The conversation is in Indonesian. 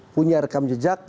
punya rekam jejak